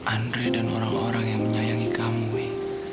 andre dan orang orang yang menyayangi kamu wi